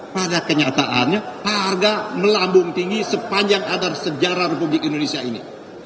pada kenyataannya harga melambung tinggi sepanjang adar sejarah republik indonesia ini